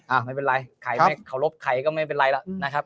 ไม่เป็นไรใครไม่เคารพใครก็ไม่เป็นไรล่ะนะครับ